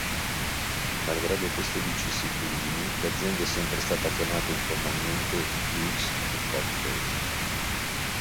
Malgrado queste vicissitudini, l'azienda è sempre stata chiamata informalmente “Hughes Helicopters”.